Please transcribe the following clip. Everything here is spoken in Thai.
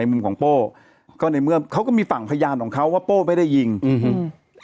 มุมของโป้ก็ในเมื่อเขาก็มีฝั่งพยานของเขาว่าโป้ไม่ได้ยิงอืม